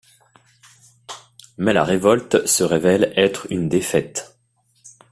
Mais la révolte se révèle être une défaite.